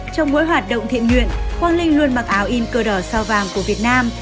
trong mỗi hoạt động thiện nguyện quang linh luôn mặc áo in cờ đỏ sao vàng của việt nam